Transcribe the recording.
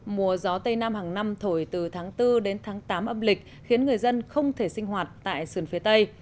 mùa gió tây nam hàng năm thổi từ tháng bốn đến tháng tám âm lịch khiến người dân không thể sinh hoạt tại sườn phía tây